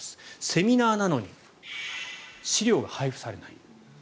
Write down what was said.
セミナーなのに資料が配布されない。